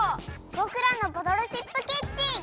「ボクらのボトルシップキッチン」！